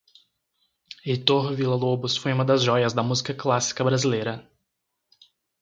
Heitor Villa-Lobos foi uma das joias da música clássica brasileira